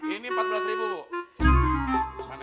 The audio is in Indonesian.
ini buat temen temen berapa ya